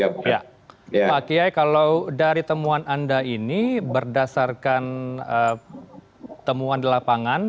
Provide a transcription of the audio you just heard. pak kiai kalau dari temuan anda ini berdasarkan temuan di lapangan